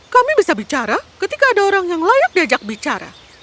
kami bisa bicara ketika ada orang yang layak diajak bicara